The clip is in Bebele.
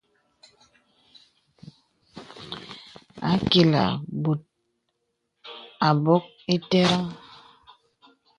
Ākilā bòt ābok itə̀rən.